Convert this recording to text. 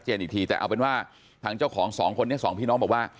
อีกทีแต่เอาเป็นว่าทางเจ้าของสองคนนี้สองพี่น้องบอกว่า